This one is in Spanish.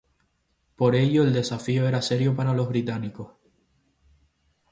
Por ello, el desafío era serio para los británicos.